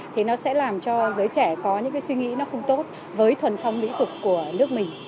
thì nó sẽ làm cho giới trẻ có những cái suy nghĩ nó không tốt với thuần phong mỹ tục của nước mình